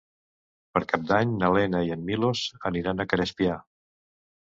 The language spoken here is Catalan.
Per Cap d'Any na Lena i en Milos aniran a Crespià.